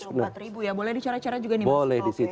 boleh dicara cara juga nih